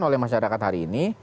oleh masyarakat hari ini